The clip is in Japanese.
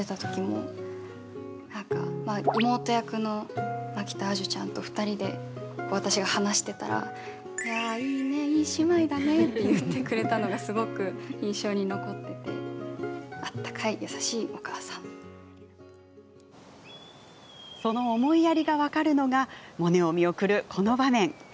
妹役の蒔田彩珠ちゃんと２人で私が話してたらいいねぇ、いい姉妹だねぇって言ってくれたのがすごく印象に残っててその思いやりが分かるのがモネを見送るこの場面。